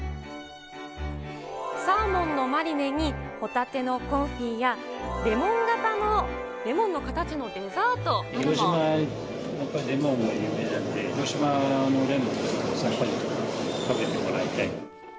サーモンのマリネにホタテのコンフィやレモンの形のデザートなど広島はやっぱりレモンが有名なんで、広島のレモンをやっぱり食べてもらいたい。